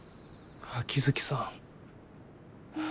秋月さん。